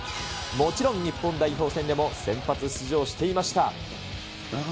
もちろん日本代表選でも、先発出場していました。